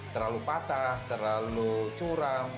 terlalu patah terlalu curam